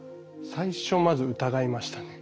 最初まず疑いましたね。